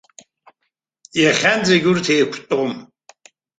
Иахьанӡагь урҭ еиқәтәом.